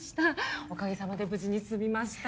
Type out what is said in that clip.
おかげさまで無事に済みました。